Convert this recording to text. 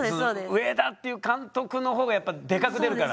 上田っていう監督の方がやっぱでかく出るから。